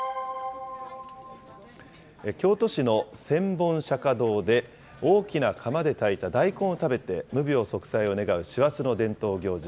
京都市の千本釈迦堂で、大きな釜で炊いた大根を食べて無病息災を願う師走の伝統行事、